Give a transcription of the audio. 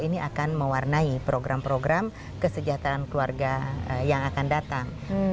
ini akan mewarnai program program kesejahteraan keluarga yang akan datang